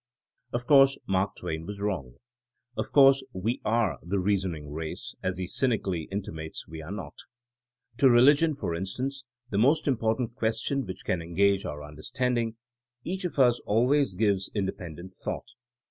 '' Of course Mark Twain was wrong. Of course we are The Eeasoning Race, as he cynically in timates we are not. To religion, for instance, the most important question which can engage our understanding, each of us always gives in THINKINa AS A SCIENCE HI dependent thought.